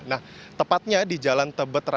nah tepatnya di jalan tebet raya